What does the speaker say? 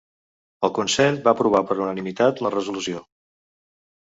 El Consell va aprovar per unanimitat la resolució.